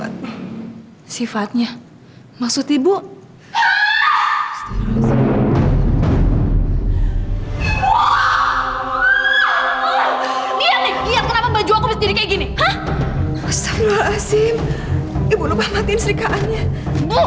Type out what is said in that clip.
dia bilang aku kurang ajar sama ibu